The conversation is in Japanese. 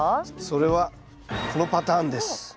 それはこのパターンです。